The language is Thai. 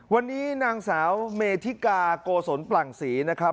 วันนี้นางสาวเมธิกาโกศลปลั่งศรีนะครับ